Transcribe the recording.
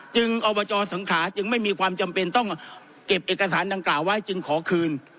อบจสังขาจึงไม่มีความจำเป็นต้องเก็บเอกสารดังกล่าวไว้จึงขอคืน